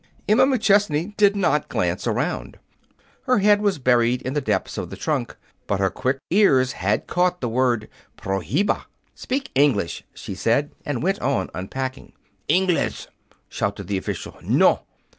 Emma McChesney did not glance around. Her head was buried in the depths of the trunk. But her quick ears had caught the word, "PROHIBA!" "Speak English," she said, and went on unpacking. "INGLES!" shouted the official. "No!"